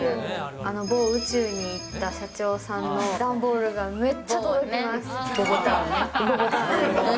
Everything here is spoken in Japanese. あの某宇宙に行った社長さんの段ボールがめっちゃ届きます。